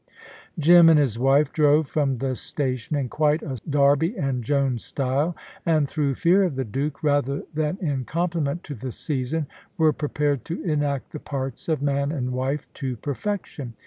Jim and his wife drove from the station in quite a Darby and Joan style, and, through fear of the Duke, rather than in compliment to the season, were prepared to enact the parts of man and wife to perfection.